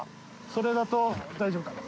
それだと大丈夫かと。